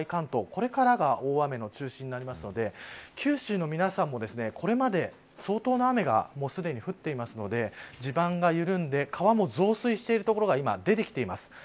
これからが大雨の中心になるので九州の皆さんも、これまで相当な雨がすでに降っているので地盤が緩んで川も増水している所が今出てきています。